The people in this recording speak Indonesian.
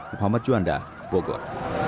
muhammad juanda bogor